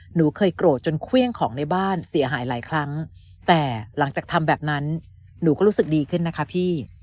หนูเคยโกรธจนเครื่องของในบ้านเสียหายหลายครั้งแต่หลังจากทำแบบนั้นหนูก็รู้สึกดีขึ้นนะคะพี่